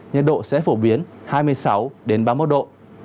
nhiệt độ sẽ phổ biến hai mươi sáu ba mươi một độ